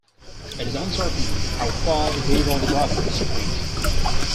It is uncertain how far the Vivaldi brothers reached.